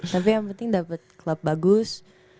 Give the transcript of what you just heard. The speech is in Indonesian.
tapi yang penting dapat klub bagus